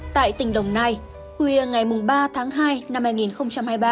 tại tỉnh đồng nai khuya ngày ba tháng hai năm hai nghìn hai mươi ba